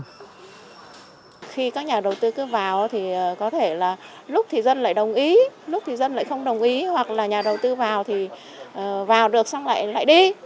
khi các nhà đầu tư cứ vào thì có thể là lúc thì dân lại đồng ý lúc thì dân lại không đồng ý hoặc là nhà đầu tư vào thì vào được xong lại đi